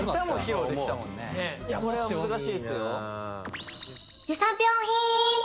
もうこれは難しいですよゆさ